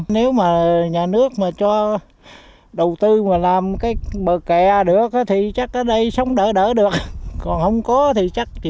nếu mà nhà nước mà cho đầu tư mà làm cái bờ kè được thì chắc ở đây sống đỡ đỡ được còn không có thì chắc chịu không nổi